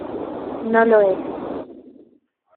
No lo es.